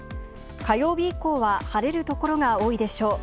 火曜日以降は晴れる所が多いでしょう。